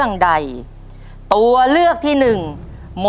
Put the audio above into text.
ใช่นักร้องบ้านนอก